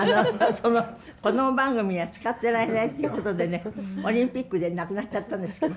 そのこども番組には使ってられないってことでねオリンピックでなくなっちゃったんですけど。